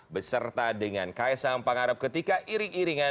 beserta dengan kaisang pangarep ketika iring iringan